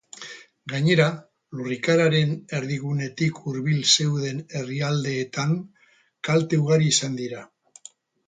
Gainera, lurrikararen erdigunetik hurbil zeuden herrialdeetan kalte ugari izan dira.